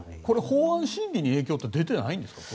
法案審議に影響って出ていないんですか。